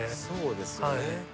そうですよね。